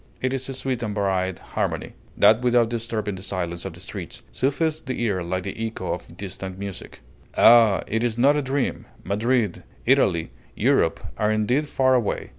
It is a sweet and varied harmony, that without disturbing the silence of the streets, soothes the ear like the echo of distant music. Ah! it is not a dream! Madrid, Italy, Europe, are indeed far away!